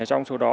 trong số đó